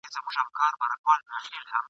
دومره لوړ سو چي له سترګو هم پناه سو ..